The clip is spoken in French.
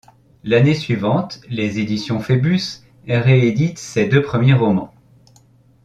L'année suivante les éditions Phébus rééditent ses deux premiers romans.